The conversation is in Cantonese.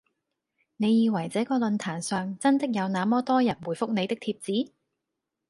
你以為這個論壇上真的有那麼多人回覆你的帖子？